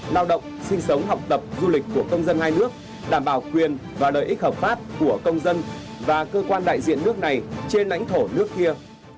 lao động sinh sống học tập du lịch của công dân hai nước đảm bảo quyền và lợi ích hợp pháp của công dân và cơ quan đại diện nước này trên lãnh thổ nước kia